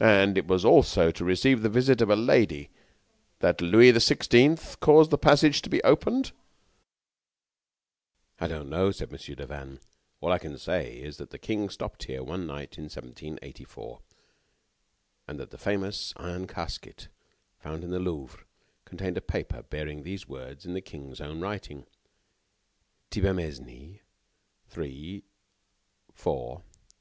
"And was it also to receive the visit of a lady that Louis the Sixteenth caused the passage to be opened?" "I don't know," said Mon. Devanne. "All I can say is that the king stopped here one night in 1784, and that the famous Iron Casket found in the Louvre contained a paper bearing these words in the king's own writing: 'Thibermesnil 3 4 11.